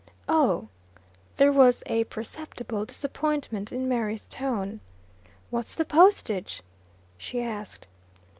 "Oh." There was a perceptible disappointment in Mary's tone. "What's the postage?" she asked.